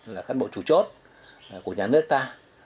là cán bộ chủ chốt của nhà nước ta